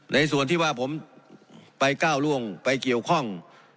ในส่วนที่ว่าผมไปก้าวล่วงไปเกี่ยวข้อง